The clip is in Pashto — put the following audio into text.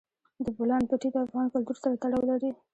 د بولان پټي د افغان کلتور سره تړاو لري.